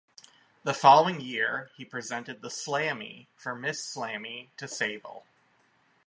The following year, he presented the Slammy for "Miss Slammy" to Sable.